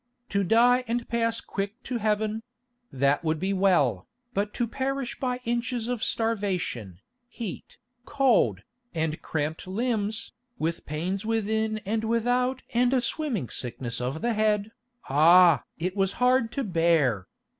To die and pass quick to Heaven—that would be well, but to perish by inches of starvation, heat, cold, and cramped limbs, with pains within and without and a swimming sickness of the head, ah! it was hard to bear.